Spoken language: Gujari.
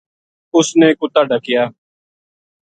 اس نے کُتا ڈَکیا